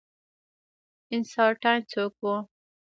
آینسټاین څوک و؟